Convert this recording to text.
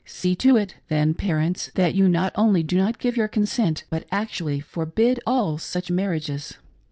See to it, then, parents, that you not only do not give your consent, but actually forbid all such marriages.